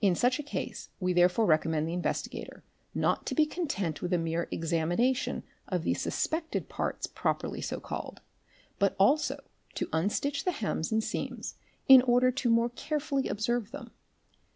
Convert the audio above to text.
In such a case we therefore recommend the investigator not to be content with a mere examination of the suspected parts pro 'a me perly so called, but also to unstitch the hems 7 and seams in order to the more carefully ob Sly serve them.